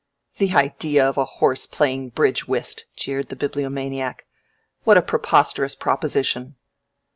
"The idea of a horse playing bridge whist!" jeered the Bibliomaniac. "What a preposterous proposition!"